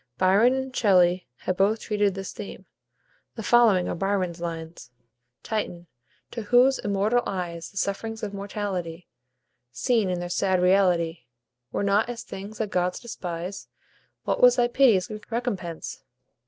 Byron and Shelley have both treated this theme. The following are Byron's lines: "Titan! to whose immortal eyes The sufferings of mortality, Seen in their sad reality, Were not as things that gods despise; What was thy pity's recompense?